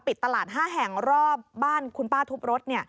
ปิดตลาด๕แห่งรอบบ้านคุณป้าทุบรถ